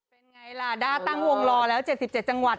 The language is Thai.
เป็นไงล่ะด้าตั้งวงรอแล้ว๗๗จังหวัด